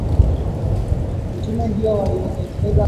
uchafuzi wa hewa pia huathiri sana aina mbalimbali za mifumo ya